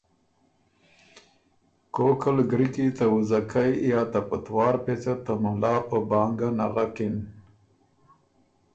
کوک ال ګری کی ته وُځَکئ یا ته پتوار پېڅه ته مُلا په بانګه نغکِن۔